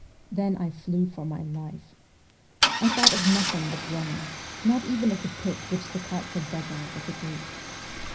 Then I flew for my life. I thought of nothing but running not even of the pit which the carts had dug out at the gate.